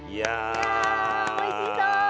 いやおいしそう！